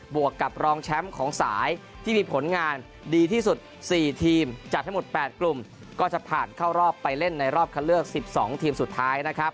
วกกับรองแชมป์ของสายที่มีผลงานดีที่สุด๔ทีมจัดให้หมด๘กลุ่มก็จะผ่านเข้ารอบไปเล่นในรอบคันเลือก๑๒ทีมสุดท้ายนะครับ